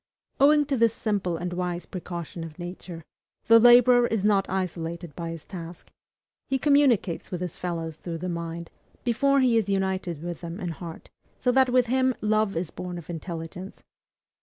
Owing to this simple and wise precaution of Nature, the laborer is not isolated by his task. He communicates with his fellows through the mind, before he is united with them in heart; so that with him love is born of intelligence.